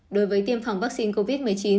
đối với tiêm phòng vaccine covid một mươi chín